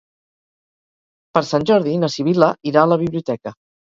Per Sant Jordi na Sibil·la irà a la biblioteca.